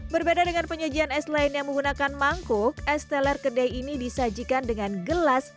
berbeda dengan penyajian es lain yang menggunakan mangkuk es teler kedai ini disajikan dengan gelas